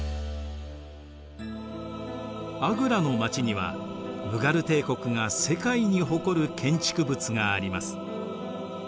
アグラの街にはムガル帝国が世界に誇る建築物があります。